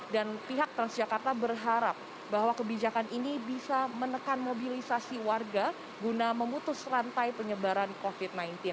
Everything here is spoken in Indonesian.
dan pihak transjakarta berharap bahwa kebijakan ini bisa menekan mobilisasi warga guna memutus rantai penyebaran covid sembilan belas